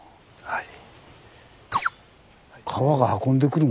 はい。